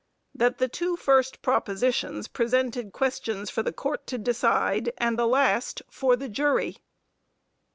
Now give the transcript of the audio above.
That the two first propositions presented questions for the Court to decide, and the last for the jury.